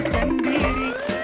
jangan berantem ya